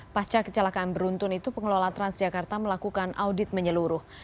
pasca kecelakaan beruntun itu pengelola transjakarta melakukan audit menyeluruh